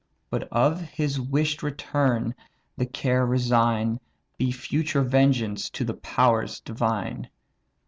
But of his wish'd return the care resign, Be future vengeance to the powers divine.